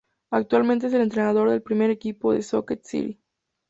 Actualmente es el entrenador del primer equipo del Stoke City.